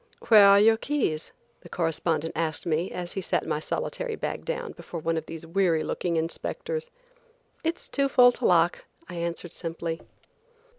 "Where are your keys?" the correspondent asked me as he sat my solitary bag down before one of these weary looking inspectors. "It is too full to lock," I answered simply.